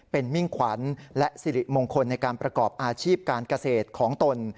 เป็นมิ่งขวัญและสิริมงคลในการประกอบอาชีพการเกษตรของตน